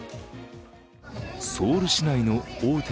ソウル市内の大手